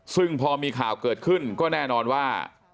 ซึ่งพอมีข่าวเกิดขึ้นก็แน่นอนว่า